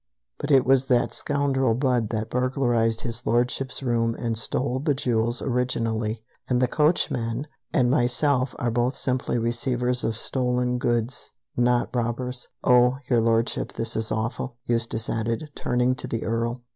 But it was that scoundrel Budd that burglarized His Lordship's room and stole the jewels originally, and the coachman and myself are both simply receivers of stolen goods, not robbers. O Your Lordship, this is awful," Eustace added, turning to the Earl.